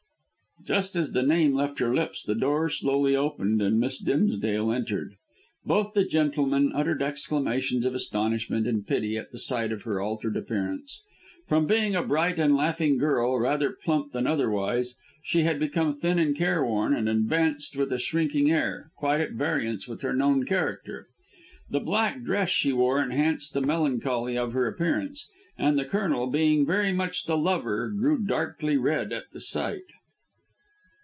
Just as the name left her lips the door slowly opened and Miss Dimsdale entered. Both the gentlemen uttered exclamations of astonishment and pity at the sight of her altered appearance. From being a bright and laughing girl, rather plump than otherwise, she had become thin and careworn, and advanced with a shrinking air, quite at variance with her known character. The black dress she wore enhanced the melancholy of her appearance, and the Colonel, being very much the lover, grew darkly red at the sight.